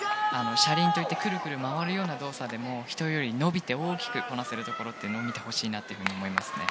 車輪といってくるくる回るような動作でも人より伸びて大きくこなせるところを見てほしいなと思いますね。